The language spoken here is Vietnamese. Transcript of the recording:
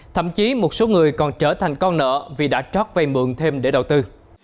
thậm chí một số người còn trở thành con nợ vì đã trót vay mượn thêm để đầu tư